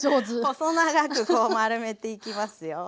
細長くこう丸めていきますよ。